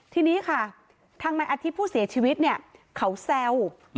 ทีนี้ค่ะทางนายอาทิตย์ผู้เสียชีวิตเนี่ยเขาแซว